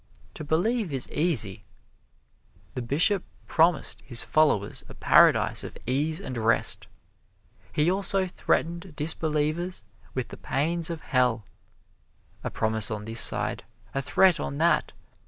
To believe is easy. The Bishop promised his followers a paradise of ease and rest. He also threatened disbelievers with the pains of hell. A promise on this side a threat on that!